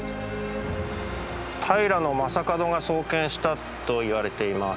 平将門が創建したといわれています。